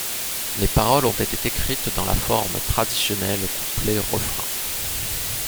Les paroles ont été écrites dans la forme traditionnelle couplet-refrain.